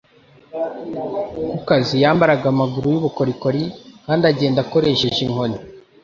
Ku kazi, yambara amaguru yubukorikori kandi agenda akoresheje inkoni